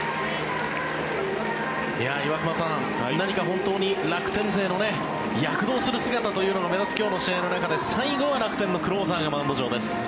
岩隈さん、何か本当に楽天勢の躍動する姿が目立つ今日の試合の中で最後は楽天のクローザーがマウンド上です。